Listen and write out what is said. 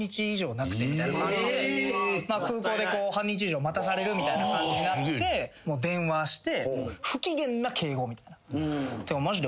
空港で半日以上待たされるみたいな感じになって電話して。